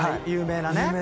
有名な。